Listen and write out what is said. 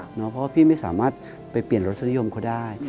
เพราะว่าพี่ไม่สามารถไปเปลี่ยนรสนิยมเขาได้